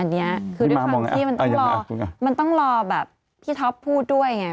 อันนี้คือด้วยความที่มันต้องรอมันต้องรอแบบพี่ท็อปพูดด้วยไง